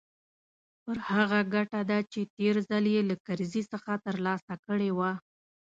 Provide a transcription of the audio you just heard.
پر هغه ګټه ده چې تېر ځل يې له کرزي څخه ترلاسه کړې وه.